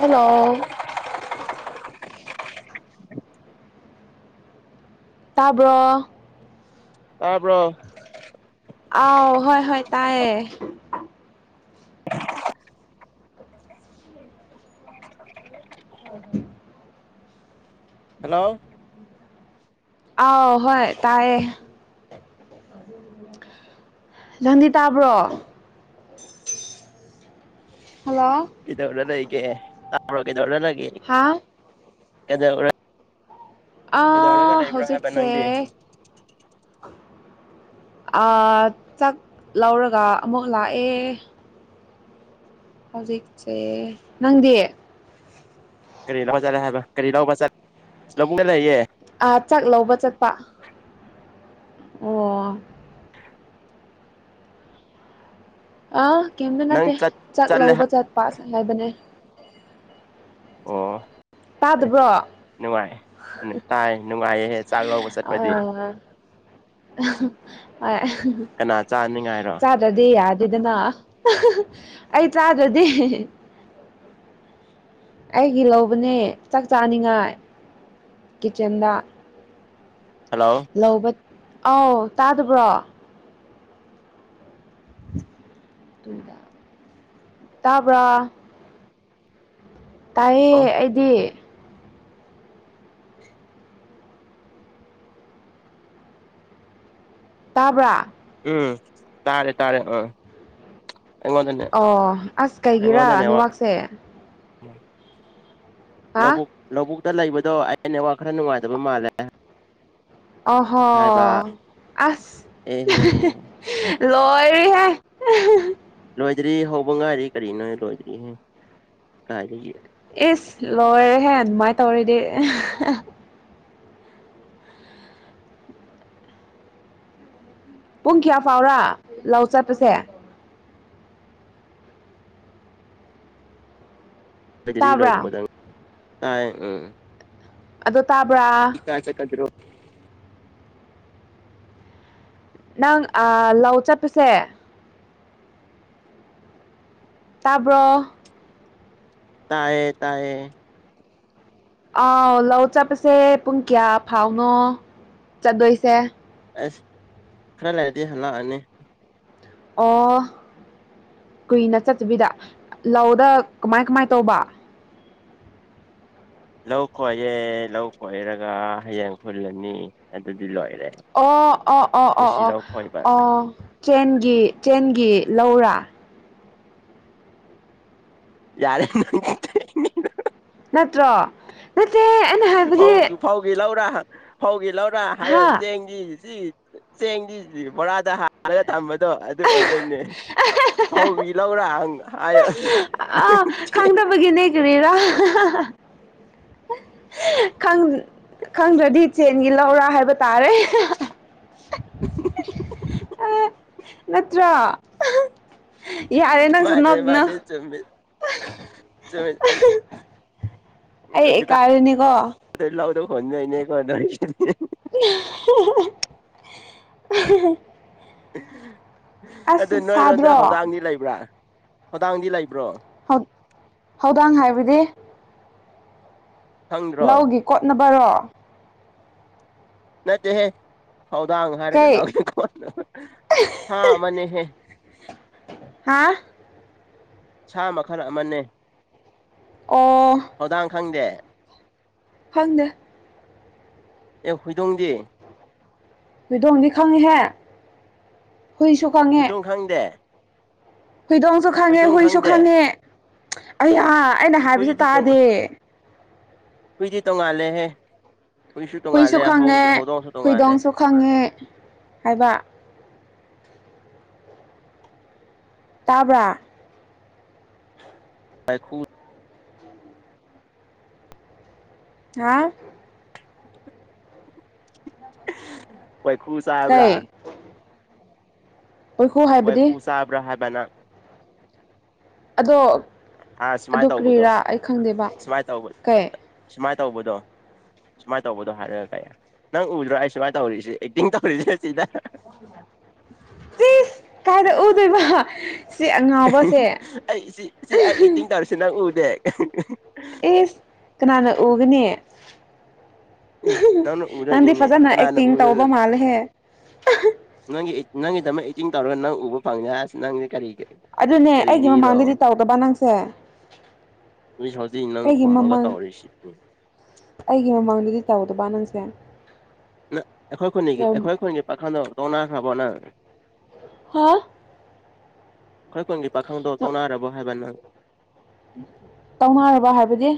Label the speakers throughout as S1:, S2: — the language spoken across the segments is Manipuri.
S1: ꯍꯜꯂꯣ ꯇꯥꯕ꯭ꯔꯣ
S2: ꯇꯥꯕ꯭ꯔꯣ
S1: ꯑꯥꯎ ꯍꯣꯏ ꯍꯣꯏ ꯇꯥꯏꯌꯦ ꯍꯣꯏ ꯍꯣꯏ
S2: ꯍꯜꯂꯣ
S1: ꯑꯥꯎ ꯍꯣꯏ ꯇꯥꯏꯌꯦ ꯅꯪꯗꯤ ꯇꯥꯕ꯭ꯔꯣ ꯍꯜꯂꯣ
S2: ꯀꯩꯗꯧꯔ ꯂꯩꯒꯦ ꯇꯥ꯭ꯕꯔꯣ ꯀꯩꯗꯧꯔ ꯂꯩꯒꯦ
S1: ꯍꯥꯥ ꯑ
S2: ꯀꯩꯗꯧꯔꯒ ꯂꯩꯕ꯭ꯔꯣ ꯍꯥꯏꯕ
S1: ꯍꯧꯖꯤꯛꯁꯦ
S2: ꯅꯪꯗꯤ
S1: ꯆꯥꯛ ꯂꯧꯔꯒ ꯑꯃꯨꯛ ꯂꯥꯛꯑꯦ ꯍꯧꯖꯤꯛꯁꯦ ꯅꯪꯗꯤ
S2: ꯀꯔꯤ ꯂꯧ ꯆꯠꯂꯦ ꯍꯥꯏꯕ ꯀꯔꯤ ꯂꯧꯕ ꯆꯠ ꯔꯨꯝꯗ ꯂꯩꯌꯦ
S1: ꯑꯥ ꯆꯥꯛ ꯂꯧꯕ ꯆꯠꯄ ꯑꯣ ꯑꯥ ꯀꯩꯝꯇ
S2: ꯅꯪ
S1: ꯅꯠꯇꯦ
S2: ꯆꯠ
S1: ꯆꯥꯛ
S2: ꯆꯠꯂꯦ
S1: ꯂꯧꯕ ꯆꯠꯄꯁꯨꯝ ꯍꯥꯏꯕꯅꯦ
S2: ꯑꯣ
S1: ꯇꯥꯗꯕ꯭ꯔꯣ
S2: ꯅꯨꯡꯉꯥꯏ ꯎ ꯇꯥꯏ ꯅꯨꯡꯉꯥꯢꯌꯦ ꯆꯥꯛ ꯂꯧꯕ ꯆꯠꯄꯗꯤ
S1: ꯍꯣꯢ ꯆꯥꯛ
S2: ꯀꯅꯥ ꯆꯥꯅꯤꯡꯉꯥꯏꯔꯣ
S1: ꯆꯗ꯭ꯔꯗꯤ ꯌꯥꯗꯦꯗꯅ ꯑꯩ ꯆꯥꯗ꯭ꯔꯗꯤ ꯑꯩꯒꯤ ꯂꯧꯕꯅꯦ ꯆꯥꯛ ꯆꯥꯅꯤꯡꯉꯥꯏ ꯀꯤꯠꯆꯥꯟꯗ
S2: ꯍꯜꯂꯣ
S1: ꯂꯧꯕ ꯑꯥꯎ ꯇꯥꯗꯕ꯭ꯔꯣ ꯇꯥꯕ꯭ꯔꯥ ꯇꯥꯏꯑꯦ ꯑꯩꯗꯤ ꯇꯥꯕ꯭ꯔꯥ
S2: ꯎꯝ ꯇꯥꯔꯦ ꯇꯥꯔꯦ ꯑꯝ ꯑꯉꯣꯡꯗꯅꯦ ꯑꯉꯣꯡꯗ ꯅꯦꯠ
S1: ꯁꯦ
S2: ꯎ
S1: ꯍꯥ
S2: ꯂꯧꯕꯨꯛ ꯂꯧꯕꯨꯛꯇ ꯂꯩꯕꯗꯣ ꯑꯩꯩ ꯅꯦꯠꯋꯥꯛ ꯈꯔ ꯅꯨꯡꯉꯥꯏꯇꯕ ꯃꯥꯜꯂꯦ
S1: ꯑꯣꯍꯣ
S2: ꯍꯥꯏꯕ
S1: ꯑꯁ
S2: ꯑꯦꯍꯦ
S1: ꯂꯣꯏꯔꯦꯍꯦ
S2: ꯔꯣꯗꯔꯤꯍꯦ ꯍꯥꯎꯕꯗꯉꯥꯏꯔꯤ ꯀꯔꯤꯅꯣ ꯂꯣꯢꯗꯔꯤꯍꯦ ꯀꯥꯢꯗꯒꯤ
S1: ꯑꯁ ꯂꯣꯏꯔꯦꯍꯦ ꯑꯗꯨꯃꯥꯏꯅ ꯇꯧꯔꯗꯤ ꯄꯨꯡ ꯀꯌꯥ ꯐꯥꯎꯔꯥ ꯂꯧ ꯆꯠꯄꯁꯦ
S2: ꯔꯤ
S1: ꯇꯥꯕ꯭ꯔꯥ
S2: ꯂꯣꯏꯗ [inaudible] ꯇꯥꯏ ꯎꯝ
S1: ꯑꯗꯣ ꯇꯥꯕ꯭ꯔꯥ
S2: ꯀꯥꯏꯁꯦ [inaudible] ꯀꯗꯔꯣ
S1: ꯅꯪ ꯂꯥꯎ ꯆꯠꯄꯁꯦ ꯇꯥꯕ꯭ꯔꯣ
S2: ꯇꯥꯢꯌꯦ ꯇꯥꯢꯌꯦ
S1: ꯑꯥꯎ ꯂꯧ ꯆꯠꯄꯁꯦ ꯄꯨꯡ ꯀꯌꯥ ꯐꯥꯎꯅꯣ ꯆꯠꯗꯣꯏꯁꯦ
S2: ꯑꯁ ꯈꯔ ꯂꯩꯔꯗꯤ ꯍꯂꯥꯛꯑꯅꯤ
S1: ꯑꯣ ꯀꯨꯏꯅ ꯆꯠꯇꯕꯤꯗ ꯂꯧꯗ ꯀꯃꯥꯏ ꯀꯃꯥꯏ ꯇꯧꯕ
S2: ꯂꯧ ꯀꯣꯏꯑꯦ ꯂꯧ ꯀꯣꯏꯔꯒ ꯍꯌꯦꯡ ꯈꯨꯨꯜꯂꯅꯤ ꯑꯗꯨꯗꯤ ꯂꯣꯏꯔꯦ
S1: ꯑꯣ ꯑꯣ ꯑꯣ ꯑꯣ
S2: ꯉꯁꯤ
S1: ꯑꯣ
S2: ꯂꯧ ꯈꯣꯏꯕ
S1: ꯑꯣ ꯆꯦꯟꯒꯤ ꯆꯦꯟꯒꯤ ꯂꯧꯔꯥ
S2: ꯌꯥꯔꯦ [inaudible]
S1: ꯅꯠꯇ꯭ꯔꯣ ꯅꯠꯇꯦ ꯑꯩꯅ ꯍꯥꯏꯕꯗꯤ
S2: ꯐꯧ ꯐꯧꯒꯤ ꯂꯧꯔ ꯐꯧꯒꯤ ꯂꯧꯔꯥ ꯍꯥꯏꯍꯣ
S1: ꯍꯥ
S2: ꯆꯦꯡꯒꯤ ꯆꯦꯡꯒꯤ ꯆꯦꯡꯗꯤ ꯕꯣꯔꯥꯗ ꯍꯥꯜꯂꯒ ꯊꯝꯕꯗꯣ ꯑꯗꯨ ꯑꯣꯏꯗꯣꯏꯅꯦ ꯐꯧꯒꯤ ꯂꯧꯔ ꯍꯥꯏꯌꯣ
S1: ꯀꯔꯤꯔ ꯈꯪ ꯈꯪꯗ꯭ꯔꯗꯤ ꯆꯦꯟꯒꯤ ꯂꯧꯔꯥ ꯍꯥꯏꯕ ꯇꯥꯔꯦ
S2: [inaudible]
S1: ꯅꯠꯇ꯭ꯔꯣ ꯌꯥꯔꯦ ꯅꯪꯁꯨ ꯅꯣꯛꯒꯅꯣ
S2: ꯆꯕꯤ ꯆꯣꯏ
S1: ꯑꯩ ꯏꯀꯥꯔꯅꯤ ꯀꯣ
S2: ꯑ ꯂꯧꯗ ꯍꯣꯟꯗꯥꯏꯅꯦ ꯀꯣ ꯅꯪꯖꯦ
S1: [unintelligible] [unintelligible] ꯑꯁ
S2: ꯑꯗꯨ
S1: ꯁꯥꯗ꯭ꯔꯣ
S2: ꯅꯣꯏꯔꯣꯝꯗ ꯍꯧꯗꯥꯡꯗꯤ ꯂꯩꯕ꯭ꯔꯥ ꯍꯧꯗꯥꯡꯗꯤ ꯂꯩꯕ꯭ꯔꯣ
S1: ꯍꯧ ꯍꯧꯗꯣꯡ ꯍꯥꯏꯕꯅꯦ
S2: ꯈꯪꯗ꯭ꯔꯣ
S1: ꯂꯧꯒꯤ ꯀꯣꯠꯅꯕꯔꯣ
S2: ꯅꯠꯇꯦꯍꯦ ꯊꯧꯗꯥꯡ ꯍꯥꯏꯔꯒ
S1: ꯀꯩ
S2: ꯂꯥꯛꯏꯀꯣ ꯁꯥ ꯑꯃꯅꯦꯍꯦ
S1: ꯍꯥꯥ
S2: ꯁꯥ ꯃꯈꯜ ꯑꯃꯅꯤ
S1: ꯑꯣ
S2: ꯊꯧꯗꯥꯡ ꯈꯪꯗꯦ
S1: ꯐꯪꯗ
S2: ꯑꯦ ꯍꯨꯏꯗꯣꯡꯗꯤ
S1: ꯍꯗꯣꯡ ꯂꯤ ꯈꯉꯤꯍꯦ ꯍ ꯁ
S2: ꯍꯏꯗꯣꯡ ꯈꯪꯗꯦ
S1: ꯍꯨꯏꯗꯣꯡꯁꯨ ꯈꯪꯉꯦ
S2: ꯍꯨꯏꯗꯣꯡ
S1: ꯍꯨꯏꯁꯨ
S2: ꯈꯪꯗꯦ
S1: ꯈꯪꯉꯦ ꯑꯩ ꯑꯥ ꯑꯩꯅ ꯍꯥꯏꯕꯁꯦ
S2: ꯍꯨꯏꯗꯤ
S1: ꯇꯥꯗꯦ
S2: ꯍꯨꯏꯗꯤ ꯇꯣꯡꯉꯥꯜꯂꯦꯍꯦ ꯍꯨꯏꯁꯨ ꯇꯣꯡꯉꯥꯜꯂꯦ ꯍꯧꯗꯣꯡꯑꯁꯨ ꯇꯣꯡꯉꯥꯜꯂꯦ
S1: ꯍꯨꯏꯗꯣꯡꯁꯨ ꯈꯪꯉꯦ ꯍꯥꯏꯕ ꯇꯥꯕ꯭ꯔꯥ
S2: ꯄꯥꯏꯈꯨ
S1: ꯍꯥ
S2: ꯋꯥꯢꯈꯨ ꯆꯥꯕ꯭ꯔꯥ
S1: ꯀꯩ ꯑꯣꯏꯈꯨ ꯍꯥꯏꯕꯗꯤ
S2: ꯋꯥꯢꯈꯨ ꯆꯥꯕ꯭ꯔꯥ ꯍꯥꯢꯕ ꯅꯪ
S1: ꯑꯗꯣ
S2: ꯑꯥ
S1: ꯑꯗꯨ
S2: ꯁꯨꯃꯥꯏꯅ ꯇꯧꯕꯗꯣ
S1: ꯀ꯭ꯔꯤꯔꯥ ꯑꯩ ꯈꯪꯗꯦꯕ
S2: ꯁꯨꯃꯥꯏꯅ ꯇꯧꯕ
S1: ꯀꯩ
S2: ꯁꯨꯃꯥꯏꯅ ꯇꯧꯕꯗꯣ ꯁꯨꯃꯥꯏꯅ ꯇꯧꯕꯗꯣ ꯍꯥꯏꯔꯒ ꯀꯩ ꯅꯪ ꯎꯗ꯭ꯔꯣ ꯑꯩ ꯁꯨꯃꯥꯏꯅ ꯇꯧꯔꯤꯁꯦ ꯑꯦꯛꯇꯤꯡ ꯇꯧꯔꯤꯁꯦ ꯅꯠꯇꯦꯗ
S1: ꯢꯁ ꯀꯥꯏꯗ ꯎꯗꯣꯏ ꯕ
S2: ꯑꯩ ꯁꯤ ꯁꯤ ꯑꯩ ꯑꯦꯛꯇꯤꯡ ꯇꯧꯔꯤꯁꯤ ꯅꯪ ꯎꯗꯦ
S1: ꯢꯁ ꯀꯅꯥꯅ ꯎꯒꯅꯤ
S2: ꯎꯝ ꯅꯪꯅ
S1: ꯅꯪꯗꯤ
S2: ꯎꯗꯣꯏꯅꯤꯅꯦ
S1: ꯐꯖꯅ
S2: ꯀꯅꯥꯅ
S1: ꯑꯦꯛꯇꯤꯡ ꯇꯧꯕ
S2: ꯎꯗꯣꯏꯅꯣ
S1: ꯃꯥꯜꯂꯦꯍꯦ
S2: ꯅꯪꯒꯤ ꯅꯪꯒꯤꯗꯃꯛ ꯑꯦꯇꯤꯡ ꯇꯧꯔꯒ ꯅꯪ ꯎꯕ ꯐꯪꯉꯦ ꯍꯥꯏꯔꯤꯁꯤ ꯅꯪꯁꯦ ꯀꯔꯤꯒꯤ
S1: ꯑꯗꯨꯅꯦ ꯑꯩꯒꯤ ꯃꯃꯥꯡꯗꯗꯤ ꯇꯧꯗꯕ ꯅꯪꯁꯦ
S2: ꯅꯣꯏꯁꯥꯎꯗꯤ ꯅꯪ
S1: ꯑꯩꯒꯤ
S2: ꯈꯨꯝꯃꯒ
S1: ꯃꯃꯥꯡ
S2: ꯇꯧꯔꯤꯁꯤ ꯅꯤ
S1: ꯑꯩꯒꯤ ꯃꯃꯥꯡꯗꯗꯤ ꯇꯧꯗꯕ ꯅꯪꯁꯦ
S2: ꯅꯪ ꯑꯩꯈꯣꯏ ꯈꯨꯟꯅꯤꯒꯤ
S1: ꯌꯥꯝ
S2: ꯑꯩꯈꯣꯏ ꯈꯨꯟꯒꯤ ꯄꯥꯈꯪꯗꯣ ꯇꯣꯛꯅꯈ꯭ꯔꯕꯣ ꯅꯪ
S1: ꯍꯥ
S2: ꯑꯈꯣꯏ ꯈꯨꯟꯒꯤ ꯄꯥꯈꯪꯗꯣ ꯇꯣꯛꯅꯔꯕꯣ ꯍꯥꯏꯕ ꯅꯪ
S1: ꯇꯣꯛꯅꯔꯕ ꯍꯥꯏꯕꯗꯤ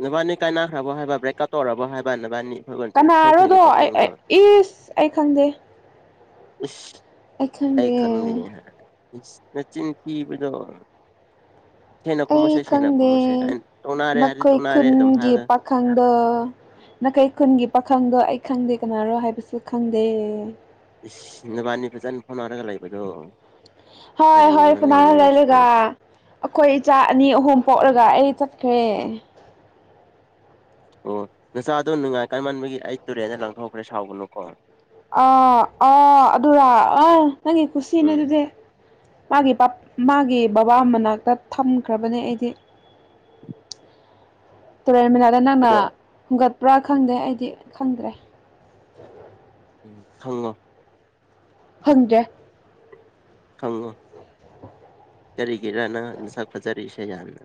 S2: ꯅꯕꯥꯅꯤ ꯀꯥꯏꯅꯛꯈ꯭ꯔꯕꯣ ꯍꯥꯏꯕ ꯕ꯭ꯔꯦꯛꯀꯠ ꯇꯧꯔꯕꯣ ꯍꯥꯏꯕ ꯅꯕꯥꯅꯤ ꯑꯩꯈꯣꯏ ꯑꯩꯈꯣꯏ
S1: ꯀꯅꯥꯔꯣꯗꯣ
S2: ꯈꯨꯟꯒꯤ
S1: ꯑꯩ
S2: ꯄꯥꯈꯪꯗꯣ
S1: ꯏꯁ ꯑꯩ ꯈꯪꯗꯦ
S2: ꯏꯁ ꯑꯩ ꯈꯪꯗꯤ ꯍꯥꯏ ꯅꯆꯤꯟ ꯊꯤꯕꯗꯣ ꯁꯦꯡꯅ
S1: ꯑꯩ
S2: ꯈꯨꯃꯨꯁꯦ ꯁꯦꯡꯅ
S1: ꯈꯪꯗꯦ
S2: ꯈꯨꯃꯨꯁꯦ ꯇꯣꯛꯅꯔꯦ
S1: ꯅꯈꯣꯏ
S2: ꯇꯣꯛꯅꯔꯦ ꯑꯗꯨꯝ
S1: ꯈꯨꯟꯒꯤ
S2: ꯍꯥꯏꯕꯗ
S1: ꯄꯥꯈꯪꯗ ꯅꯥꯀꯩ ꯈꯨꯟꯒꯤ ꯄꯥꯈꯪꯗꯣ ꯑꯩ ꯈꯪꯗꯦ ꯀꯅꯥꯔꯣ ꯍꯥꯏꯕꯁꯨ ꯈꯪꯗꯦ
S2: ꯏꯁ ꯅꯕꯥꯅꯤ ꯐꯖꯅ ꯐꯧꯅꯔꯒ ꯂꯩꯕꯗꯣ
S1: ꯍꯣꯏ ꯍꯣꯏ
S2: ꯀꯔꯤꯅꯣꯅꯦ
S1: ꯐꯅꯥ
S2: ꯅꯪꯒꯤꯁꯨ
S1: ꯂꯩꯔꯒ ꯑꯈꯣꯏ ꯏꯆꯥ ꯑꯅꯤ ꯑꯍꯨꯝ ꯄꯣꯛꯂꯒ ꯑꯩ ꯆꯠꯈ꯭ꯔꯦ
S2: ꯑꯣ ꯅꯆꯥꯗꯣ ꯅꯨꯡꯉꯥꯏ ꯀꯥꯏꯃꯥꯟꯕꯒꯤ ꯑꯩ ꯇꯨꯔꯦꯟꯗ ꯂꯪꯊꯣꯛꯈ꯭ꯔꯦ ꯁꯥꯎꯒꯅꯨꯀꯣ
S1: ꯑ ꯑ ꯑꯗꯨꯔ ꯑ ꯅꯪꯒꯤ ꯈꯨꯁꯤꯅꯦ
S2: ꯎꯝ
S1: ꯑꯗꯨꯗꯤ ꯃꯥꯒꯤ ꯄꯠ ꯃꯥꯒꯤ ꯕꯕꯥ ꯃꯅꯥꯛꯇ ꯊꯝꯈ꯭ꯔꯕꯅꯦ ꯑꯩꯗꯤ [inaudible] ꯇꯨꯔꯦꯟ ꯃꯅꯥꯗ ꯅꯪꯅ
S2: ꯑꯗꯣ
S1: ꯍꯨꯡꯒꯠꯄ꯭ꯔꯥ ꯈꯪꯗꯦ ꯑꯩꯗꯤ ꯈꯪꯗ꯭ꯔꯦ
S2: ꯎꯝ ꯈꯪꯉꯣ
S1: ꯈꯟꯗꯦ
S2: ꯈꯪꯉꯣ ꯀꯔꯤꯒꯤꯔ ꯅꯪ ꯅꯁꯛ ꯐꯖꯔꯛꯏꯁꯦ ꯌꯥꯝꯅ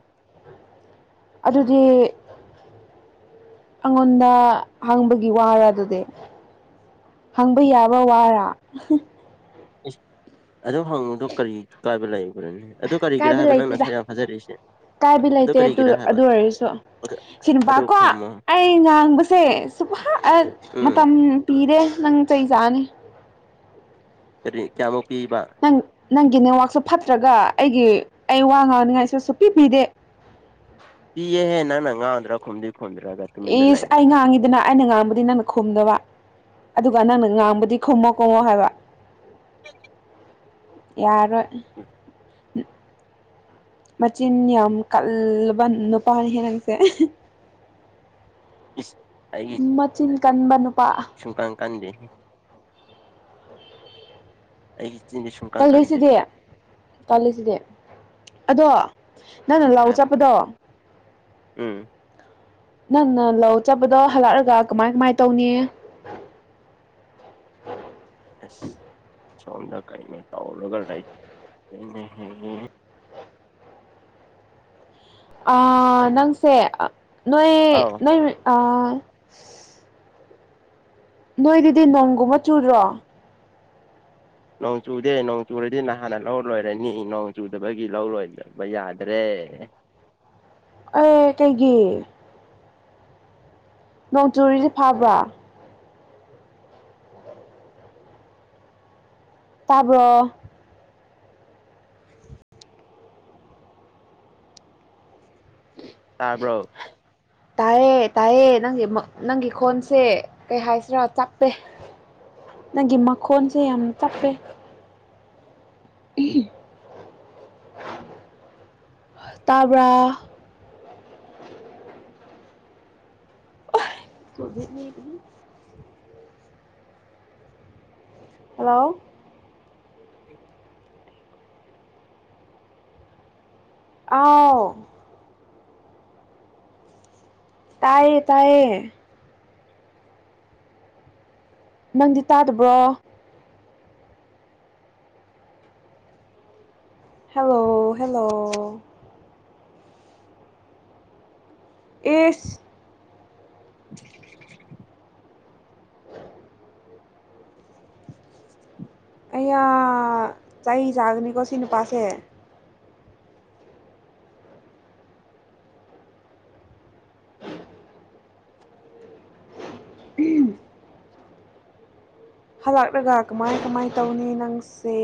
S1: ꯑꯗꯨꯗꯤ ꯑꯉꯣꯟꯗ ꯍꯪꯕꯒꯤ ꯋꯥꯔ ꯑꯗꯨꯗꯤ ꯍꯪꯕ ꯌꯥꯕ ꯋꯥꯔꯥ
S2: ꯏꯁ ꯑꯗꯨ ꯍꯪꯉꯨꯗꯨ ꯀꯔꯤ ꯀꯥꯏꯕ ꯂꯩꯕꯔ꯭ꯅꯦ ꯑꯗꯨ ꯀꯔꯤꯒꯤꯔꯥ
S1: ꯀꯥꯏꯕ
S2: ꯍꯥꯏꯕ ꯅꯪ
S1: ꯂꯩꯇꯦꯗ
S2: ꯅꯁꯛ ꯌꯥꯝꯖꯔꯤꯁꯦ
S1: ꯀꯥꯏꯕ ꯂꯩꯇꯦ ꯑꯗꯨ ꯑꯗꯨ ꯑꯣꯏꯔꯁꯨ
S2: ꯑꯗꯨ
S1: ꯁꯤ
S2: ꯑꯗꯨ
S1: ꯅꯨꯄꯥꯀꯣ
S2: ꯈꯨꯝꯃꯣ
S1: ꯑꯩ ꯉꯥꯡꯕꯁꯦ ꯁꯨꯐ ꯑꯥ
S2: ꯎꯝ
S1: ꯃꯇꯝ ꯄꯤꯔꯦ ꯅꯪ ꯆꯩ ꯆꯥꯅꯤ
S2: ꯀꯔꯤ ꯀꯌꯥꯃꯨꯛ ꯄꯤꯕ
S1: ꯅꯪ ꯅꯪꯒꯤ ꯅꯦꯠꯋꯥꯛꯁꯦ ꯐꯠꯇ꯭ꯔꯒ ꯑꯩꯒꯤ ꯑꯩ ꯋꯥ ꯉꯥꯡꯅꯤꯡꯉꯥꯏꯁꯨ ꯁꯨꯡꯄꯤ ꯄꯤꯗꯦ
S2: ꯄꯤꯍꯦ ꯅꯪꯅ ꯉꯥꯡꯗ꯭ꯔꯥꯒ ꯈꯨꯝꯗꯤ ꯈꯨꯝꯗ꯭ꯔꯒ ꯇꯨꯃꯤꯟꯅ
S1: ꯢꯁ ꯑꯩ
S2: ꯂꯩꯔꯒ
S1: ꯉꯥꯡꯉꯤ ꯑꯗꯨꯅ ꯑꯩꯅ ꯉꯥꯡꯕꯗꯤ ꯅꯪꯅ ꯈꯨꯝꯗꯕ ꯑꯗꯨꯒ ꯅꯪꯅ ꯉꯥꯡꯕꯗꯤ ꯈꯨꯝꯃꯣ ꯈꯨꯝꯃꯣ ꯍꯥꯏꯕ ꯌꯥꯔꯣꯏ ꯃꯆꯤꯟ ꯌꯥꯝ ꯀꯜꯂꯕ ꯅꯨꯄꯥꯅꯤ ꯍꯦ ꯅꯪꯁꯦ
S2: ꯏꯁ ꯑꯩꯒꯤ
S1: ꯃꯆꯤꯟ ꯀꯟꯕ ꯅꯨꯄꯥ
S2: ꯀꯟꯗꯦꯍꯦ ꯑꯩꯒꯤ ꯆꯤꯟꯗꯤ ꯁꯨꯡꯀꯟ ꯀꯟꯗꯦ
S1: ꯀꯜꯂꯤꯁꯤꯗꯤ ꯀꯜꯂꯤꯁꯤꯗꯤ ꯑꯗꯣ ꯅꯪꯅ ꯂꯧ
S2: ꯍꯥꯏꯕ
S1: ꯆꯠꯄꯗꯣ
S2: ꯎꯝ
S1: ꯅꯪꯅ ꯂꯧ ꯆꯠꯄꯗꯣ ꯍꯜꯂꯛꯑꯒ ꯀꯃꯥꯏ ꯀꯃꯥꯏꯅ ꯇꯧꯅꯤ
S2: ꯑꯁ ꯁꯣꯝꯗ ꯀꯩꯅꯣ ꯇꯧꯔꯒ ꯂꯩ [unintelligible]
S1: ꯑꯥ ꯅꯪꯁꯦ ꯅꯣꯏ
S2: ꯑꯥꯎ
S1: ꯅꯣꯏ ꯑꯥ ꯅꯣꯏꯗꯨꯗꯤ ꯅꯣꯡꯒꯨꯝꯕ ꯆꯨꯗ꯭ꯔꯣ
S2: ꯅꯣꯡ ꯆꯨꯗꯦ ꯅꯣꯡ ꯆꯨꯔꯗꯤ ꯅꯍꯥꯟꯅ ꯂꯧ ꯂꯣꯏꯔꯅꯤ ꯅꯣꯡ ꯆꯨꯗꯕꯒꯤ ꯂꯧꯔꯣꯏꯗꯕ ꯌꯥꯗ꯭ꯔꯦ
S1: ꯑꯦ ꯀꯩꯒꯤ ꯅꯣꯡ ꯆꯨꯔꯤꯁꯦ ꯐꯥꯕ꯭ꯔꯥ ꯇꯥꯕ꯭ꯔꯣ
S2: ꯇꯥꯕ꯭ꯔꯣ
S1: ꯇꯥꯏꯌꯦ ꯇꯥꯏꯌꯦ ꯅꯪꯒꯤ ꯅꯪꯒꯤ ꯈꯣꯟꯁꯦ ꯀꯩ ꯍꯥꯏꯁꯤꯔꯥ ꯆꯞꯄꯦ ꯅꯪꯒꯤ ꯃꯈꯣꯟꯁꯦ ꯌꯥꯝ ꯇꯞꯄꯦ ꯇꯥꯕ꯭ꯔꯥ [unintelligible] ꯍꯜꯂꯣ ꯑꯥꯎ ꯇꯌꯦ ꯇꯌꯦ ꯅꯪꯗꯤ ꯇꯥꯗꯕ꯭ꯔꯣ ꯍꯦꯜꯂꯣ ꯍꯦꯜꯂꯣ ꯑꯦ
S2: [unintelligible]
S1: ꯑꯩꯌꯥ ꯆꯩ ꯆꯥꯒꯅꯤꯀꯣ ꯁꯤ ꯅꯨꯄꯥꯁꯦ ꯎꯝ ꯍꯜꯂꯛꯂꯒ ꯀꯃꯥꯏ ꯀꯃꯥꯏ ꯇꯧꯅꯤ ꯅꯪꯁꯦ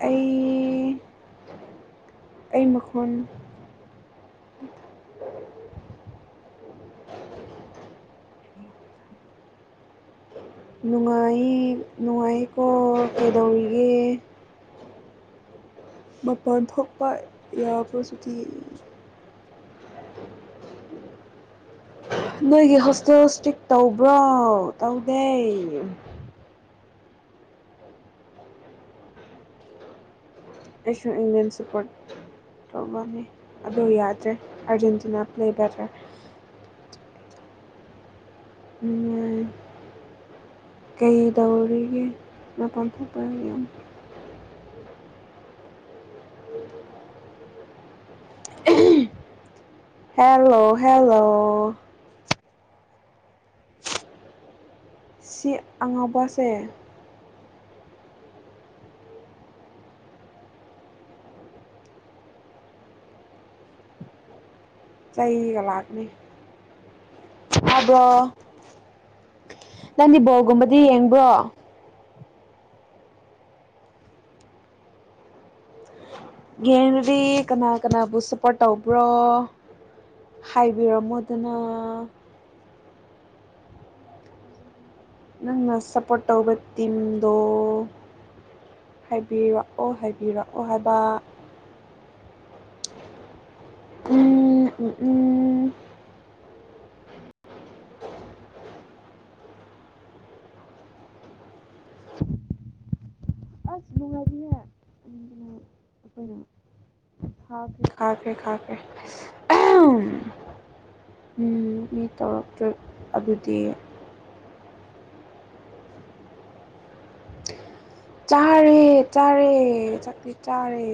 S1: ꯑꯩ ꯑꯩ ꯃꯈꯣꯟ
S2: [inaudible]
S1: ꯅꯨꯡꯉꯥꯏ ꯅꯨꯡꯉꯥꯏꯀꯣ ꯀꯩꯗꯧꯔꯤꯒꯦ ꯃꯄꯟꯊꯣꯛꯄ ꯌꯥꯕꯔꫭ ꯁꯨꯇꯤ ꯅꯣꯏꯒꯤ ꯍꯣꯁꯇꯦꯜ ꯁꯇꯤꯛ ꯇꯧꯕ꯭ꯔꯣ ꯇꯧꯗꯦ ꯑꯩ ꯏꯟꯌꯦꯟ ꯁꯄꯣꯔꯠ ꯇꯧ ꯃꯥꯅꯤ ꯑꯗꯨꯗ ꯌꯥꯗ꯭ꯔꯦ ꯑꯥꯔꯖꯦꯟꯇꯤꯅꯥ ꯄꯦꯜ ꯕꯤꯇꯥꯔ [unintelligible] ꯀꯩ ꯇꯧꯔꯤꯒꯦ ꯃꯄꯥꯟ ꯊꯣꯛꯄ ꯌꯥꯝ ꯍꯦꯜꯂꯣ ꯍꯦꯜꯂꯣ ꯁꯤ ꯑꯉꯥꯎꯕꯁꯦ ꯆꯩꯒ ꯂꯥꯛꯅꯤ ꯇꯥꯕꯔꯣ ꯅꯪꯗꯤ ꯕꯣꯜꯒꯨꯝꯕꯗꯤ ꯌꯦꯡꯕ꯭ꯔꯣ ꯌꯦꯟꯉꯥꯗꯤ ꯀꯅꯥ ꯀꯅꯥꯕꯨ ꯁꯞꯄꯣꯔꯠ ꯇꯧꯕ꯭ꯔꯣ ꯍꯥꯏꯕꯤꯔꯝꯃꯣꯗꯅ ꯅꯪꯅ ꯁꯞꯄꯣꯔꯠ ꯇꯧꯕ ꯇꯤꯝꯗꯣ ꯍꯥꯏꯕꯤꯔꯛꯑꯣ ꯍꯥꯏꯕꯤꯔꯛꯑꯣ ꯍꯥꯏꯕ ꯎꯝ ꯎꯝ [unintelligible] [unintelligible] ꯈꯥꯠꯈꯔꯦ ꯈꯥꯠꯈꯔꯦ ꯈꯥꯠꯈꯔꯦ ꯃꯤ ꯇꯧꯔꯛꯇ꯭ꯔꯣꯏ ꯑꯗꯨꯗꯤ ꯆꯥꯔꯦ ꯆꯥꯔꯦ ꯆꯥꯛꯇꯤ ꯆꯥꯔꯦ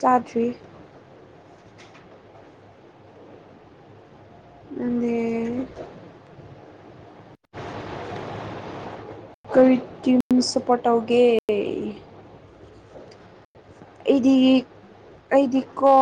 S1: ꯆꯥꯗ꯭ꯔꯤ ꯅꯪꯗꯤ [unintelligible] ꯀꯔꯤ ꯇꯤꯃ ꯁꯞꯄꯣꯔꯠ ꯇꯧꯒꯦ ꯑꯩꯗꯤ ꯑꯩꯗꯤꯀꯣ